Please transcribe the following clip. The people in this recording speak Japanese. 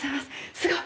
すごい！